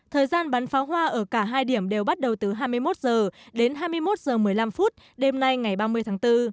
thời gian bắn pháo hoa ở cả hai điểm đều bắt đầu từ hai mươi một h đến hai mươi một h một mươi năm đêm nay ngày ba mươi tháng bốn